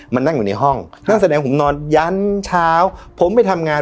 นั่งอยู่ในห้องนักแสดงผมนอนยันเช้าผมไปทำงาน